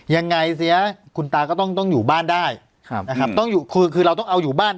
ยังไงเสียคุณตาก็ต้องอยู่บ้านได้คือเราต้องเอาอยู่บ้าน